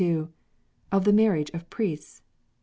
Of the Marriage of Priests.